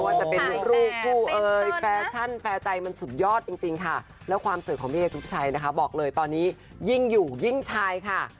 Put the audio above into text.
จะเป็นลูกกูแฟชั่นแต่มันสุดยอดจริงค่ะแล้วความเสนอของแม่งเอ๋ลูคชัยบอกเลยตอนนี้ยิ่งอยู่ยิ่งชัยค่ะ